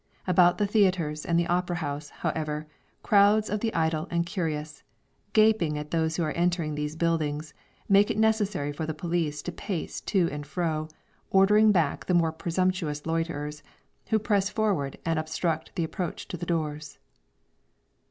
About the theatres and the opera house, however, crowds of the idle and curious, gaping at those who are entering these buildings, make it necessary for the police to pace to and fro, ordering back the more presumptuous loiterers, who press forward and obstruct the approach to the doors.